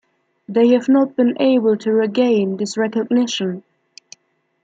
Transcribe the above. They have not been able to regain this recognition.